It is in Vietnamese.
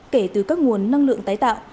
kể từ các nguồn năng lượng tái tạo